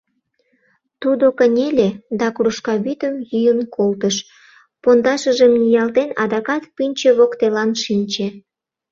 Тудо кынеле да кружка вӱдым йӱын колтыш, пондашыжым ниялтен, адакат пӱнчӧ воктелан шинче.